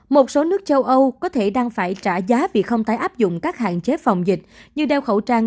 một số nước châu âu có thể đang phải trả giá vì không tái áp dụng các hạn chế phòng dịch như đeo khẩu trang